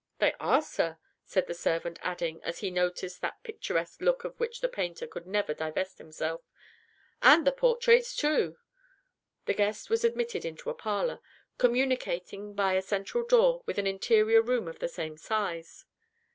"They are, sir," said the servant, adding, as he noticed that picturesque aspect of which the painter could never divest himself, "and the Portraits too!" The guest was admitted into a parlor, communicating by a central door with an interior room of the same size.